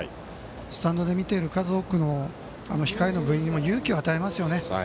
スタンドで見ている数多くの部員にも勇気を与えますよね。